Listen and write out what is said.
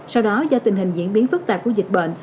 sau đó do tình hình diễn biến phức tạp của dịch bệnh